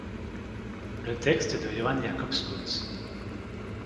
Le texte est de Johann Jakob Schütz.